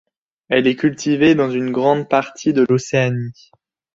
Elle est cultivée dans une grande partie de l'Océanie.